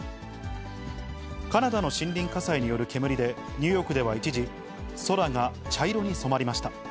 カナダの森林火災による煙で、ニューヨークでは一時、空が茶色に染まりました。